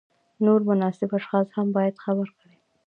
نور مناسب اشخاص هم باید خبر کړي.